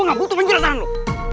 gue gak butuh penjelasan lo